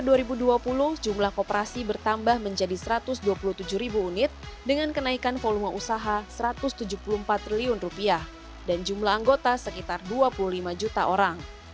pada tahun dua ribu dua puluh jumlah kooperasi bertambah menjadi satu ratus dua puluh tujuh ribu unit dengan kenaikan volume usaha satu ratus tujuh puluh empat triliun dan jumlah anggota sekitar dua puluh lima juta orang